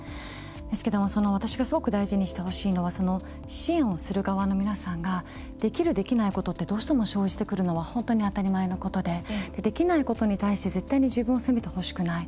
ですけど、私がすごく大事にしてほしいのは支援する側の皆さんができる、できないことって生じてくるのは本当に当たり前のことでできないことに対し絶対に自分を責めてほしくない。